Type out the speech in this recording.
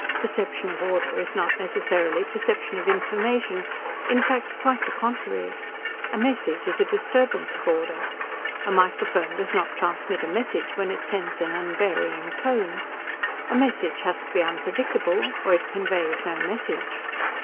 Perception of order is not necessarily perception of information in fact, quite the contrary. A message is a disturbance of order. A microphone does not transmit a message when it sends an unvarying tone. A message has to be unpredictable or it conveys no message.